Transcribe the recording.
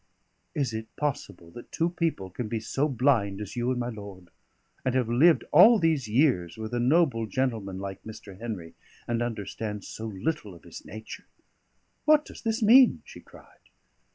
Is it possible that two people can be so blind as you and my lord? and have lived all these years with a noble gentleman like Mr. Henry, and understand so little of his nature?" "What does this mean?" she cried.